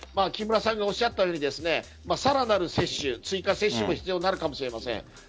木村さんがおっしゃったようにさらなる追加接種も必要になるかもしれません。